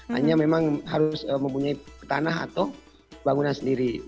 hanya memang harus mempunyai tanah atau bangunan sendiri